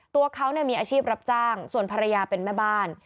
ตัวเขามีอาชีพรับจ้างส่วนภรรยาเป็นแม่บ้าน